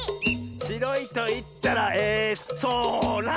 「しろいといったらえそら！」